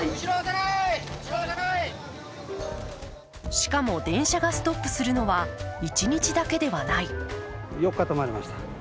しかも、電車がストップするのは１日だけではない。